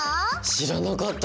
知らなかった！